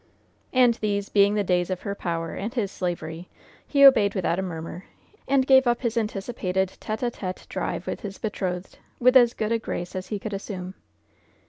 And these being the days of her power and his slavery, he obeyed without a murmur, and gave up his anticipated tête à tête drive with his betrothed, with as good a grace as he could assume.